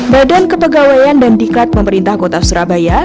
badan kepegawaian dan diklat pemerintah kota surabaya